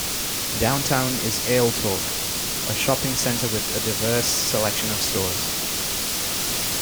Downtown is Ale Torg, a shopping center with a diverse selection of stores.